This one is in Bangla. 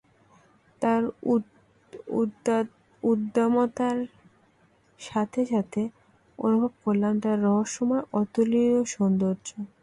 তার উদ্দামতার সাথে সাথে অনুভব করলাম তার রহস্যময় অতুলনীয় সৌন্দর্য।